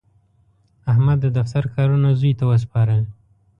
احمد د دفتر کارونه زوی ته وسپارل.